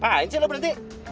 pak ciro berhenti